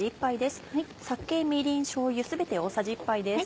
酒みりんしょうゆ全て大さじ１杯です。